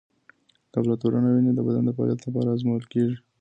لابراتوار وینه د بدن د فعالیت لپاره ازمویل کېږي.